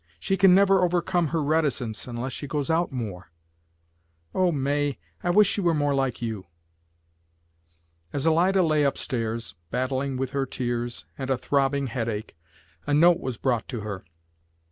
She can never overcome her reticence unless she goes out more. Oh, May, I wish she were more like you!" As Alida lay up stairs, battling with her tears and a throbbing headache, a note was brought to her.